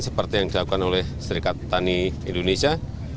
seperti yang dilakukan oleh serikat tani indonesia